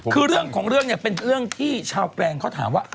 คือเรื่องของเรื่องเนี่ยเป็นเรื่องที่ชาวแปลงเขาถามว่า